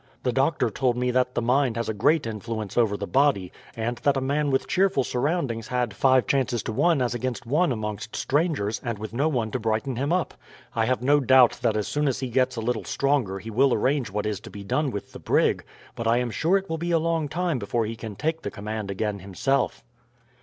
The doctor told me that the mind has a great influence over the body, and that a man with cheerful surroundings had five chances to one as against one amongst strangers, and with no one to brighten him up. I have no doubt that as soon as he gets a little stronger he will arrange what is to be done with the brig, but I am sure it will be a long time before he can take the command again himself."